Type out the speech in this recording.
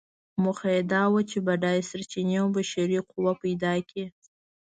موخه یې دا وه چې بډایه سرچینې او بشري قوه پیدا کړي.